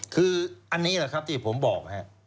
คืออันนี้แหละครับที่ผมบอกฮะ